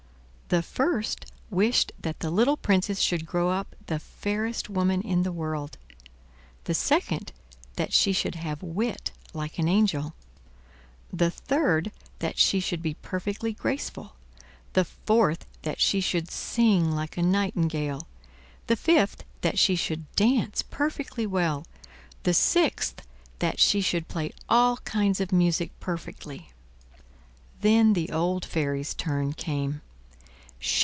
The first wished that the little Princess should grow up the fairest woman in the world; the second, that she should have wit like an angel; the third, that she should be perfectly graceful; the fourth, that she should sing like a nightingale; the fifth, that she should dance perfectly well; the sixth, that she should play all kinds of music perfectly. Then the old fairy's turn came.